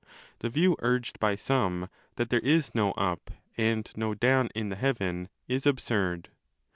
(The view, urged by some,' that there is no up and no down in the heaven, is absurd.